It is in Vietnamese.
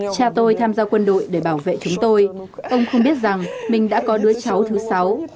cha tôi tham gia quân đội để bảo vệ chúng tôi ông không biết rằng mình đã có đứa cháu thứ sáu